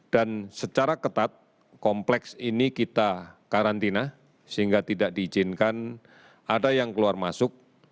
dan secara ketat kompleks ini kita karantina sehingga tidak diizinkan ada yang keluar masuk